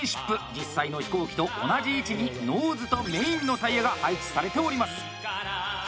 実際の飛行機と同じ位置に「ノーズ」と「メイン」のタイヤが配置されております。